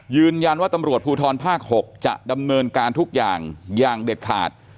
ยืนยันว่าตำรวจภูทรภาค๖จะดำเนินการทุกอย่างอย่างเด็ดขาด